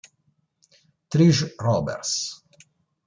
Trish Roberts